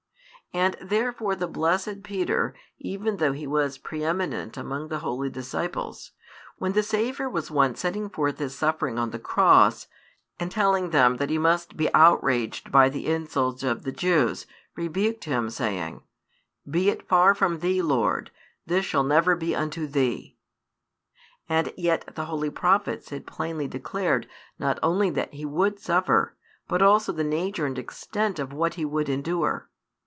And therefore the blessed Peter, even though he was pre eminent among the holy disciples, when the Saviour was once setting forth His suffering on the Cross and telling them that He must be outraged by the insults of the Jews, rebuked Him, saying, Be it far from Thee, Lord; this shall never be unto Thee. And yet the holy prophets had plainly |450 declared not only that He would suffer, but also the nature and extent of what He would endure.